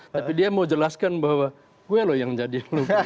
tapi dia mau jelaskan bahwa gue loh yang jadi luka